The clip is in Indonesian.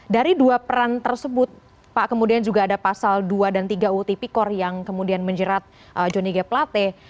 dari dua peran tersebut pak kemudian juga ada pasal dua dan tiga utp kor yang kemudian menjerat johnny g plate